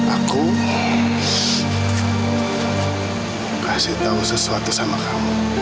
aku kasih tahu sesuatu sama kamu